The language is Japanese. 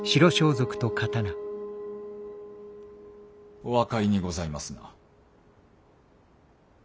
お分かりにございますな。